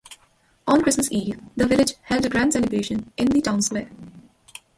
On Christmas Eve, the village held a grand celebration in the town square.